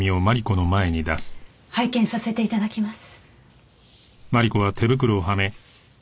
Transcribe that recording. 拝見させて頂きます。